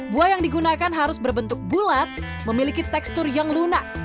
buah yang digunakan harus berbentuk bulat memiliki tekstur yang lunak